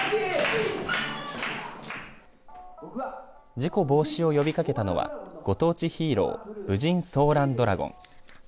事故防止を呼びかけたのはご当地ヒーロー舞神ソーランドラゴン。